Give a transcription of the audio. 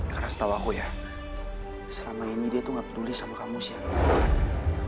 karena setahu aku ya selama ini dia tuh gak peduli sama kamu shania